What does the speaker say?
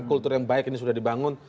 kultur yang baik ini sudah dibangun